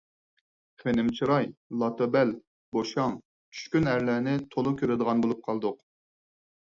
خېنىم چىراي، لاتا بەل، بوشاڭ، چۈشكۈن ئەرلەرنى تولا كۆرىدىغان بولۇپ قالدۇق.